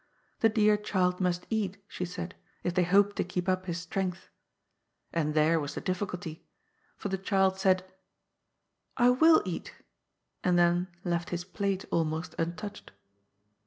The dear child must eat, she said, if they hoped to keep up his strength. And ihere was the difficulty. For the child said, ^ I wiU eat," and then left his plate fdmost untouched.